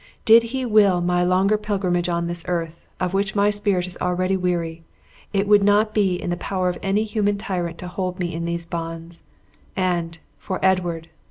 Did He will my longer pilgrimage on this earth, of which my spirit is already weary, it would not be in the power of any human tyrant to hold me in these bonds. And, for Edward!